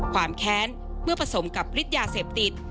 ความแค้นเมื่อผสมกับฤทธิ์ยาเสพติด